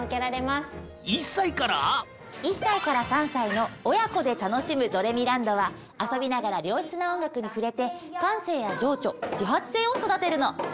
１歳から３歳の親子で楽しむ「ドレミらんど」は遊びながら良質な音楽に触れて感性や情緒自発性を育てるの。